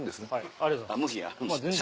ありがとうございます。